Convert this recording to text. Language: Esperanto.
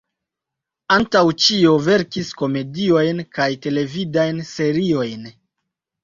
Antaŭ ĉio verkis komediojn kaj televidajn seriojn.